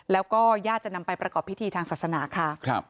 แล้วก็ญาติจะนำไปประกอบพิธีทางศาสนาค่ะ